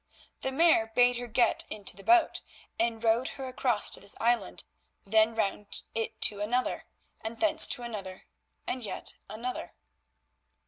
The Mare bade her get into the boat and rowed her across to this island, then round it to another, and thence to another and yet another.